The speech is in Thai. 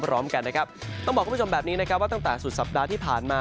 พร้อมกันนะครับต้องบอกคุณผู้ชมแบบนี้นะครับว่าตั้งแต่สุดสัปดาห์ที่ผ่านมา